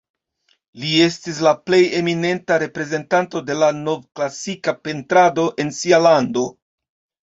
Li estis la plej eminenta reprezentanto de la novklasika pentrado en sia lando.